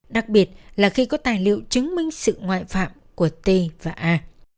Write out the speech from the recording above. đặc biệt là khi có tài liệu chứng minh sự ngoại phạm của t và a